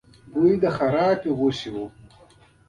بوی د خرابې غوښې و.